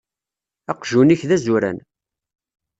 Aqjun-ik d azuran.